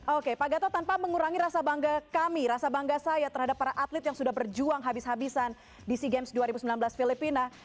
oke pak gatot tanpa mengurangi rasa bangga kami rasa bangga saya terhadap para atlet yang sudah berjuang habis habisan di sea games dua ribu sembilan belas filipina